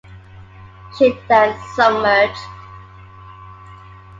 She then submerged.